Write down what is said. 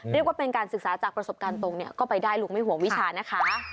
เรียกว่าเป็นการศึกษาจากประสบการณ์ตรงเนี่ยก็ไปได้ลุงไม่ห่วงวิชานะคะ